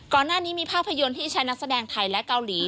ก่อนหน้านี้มีภาพยนตร์ที่ใช้นักแสดงไทยและเกาหลี